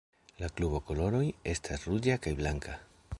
La klubo koloroj estas ruĝa kaj blanka.